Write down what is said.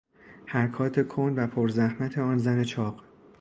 حرکات کند و پرزحمت آن زن چاق